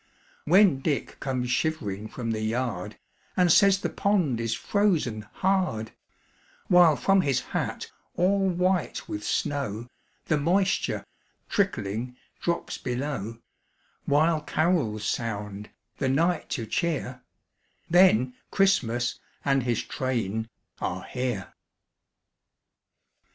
When Dick comes shiv'ring from the yard, And says the pond is frozen hard, While from his hat, all white with snow, The moisture, trickling, drops below, While carols sound, the night to cheer, Then Christmas and his train are here.